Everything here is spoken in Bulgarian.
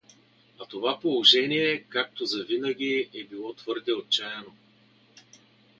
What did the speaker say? А това положение, както за винаги, е било твърде отчаяно.